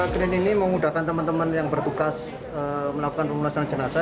kren ini memudahkan teman teman yang bertugas melakukan pemulasan jenazah